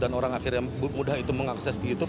dan orang akhirnya mudah itu mengakses ke youtube